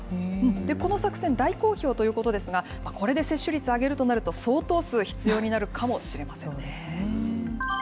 この作戦、大好評ということですが、これで接種率を上げるとなると、相当数必要になるかもしれませんね。